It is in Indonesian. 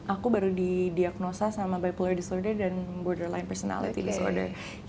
aku baru di diagnosa sama bipolar disorder dan borderline personality disorder